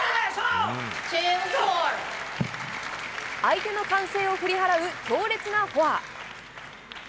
相手の歓声を振り払う強烈なフォア。